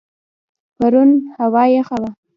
پرون هوا یخه وه.